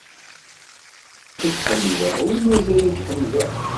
Ad k-ḥemdeɣ, umazal ad k-ḥemdeɣ.